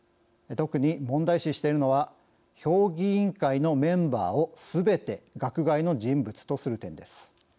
特に問題視しているのは評議員会のメンバーをすべて学外の人物とする点です。